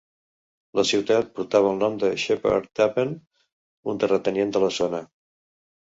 La ciutat portava el nom de Sheppard Tappen, un terratinent de la zona.